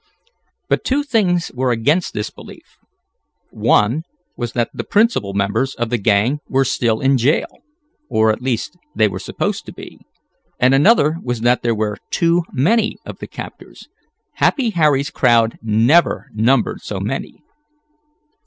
But two things were against this belief. One was that the principal members of the gang were still in jail, or at least they were supposed to be, and another was that there were too many of the captors. Happy Harry's crowd never numbered so many.